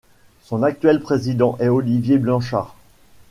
Son actuel président est Olivier Blanchard.